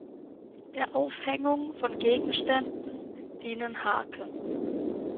Der Aufhängung von Gegenständen dienen Haken.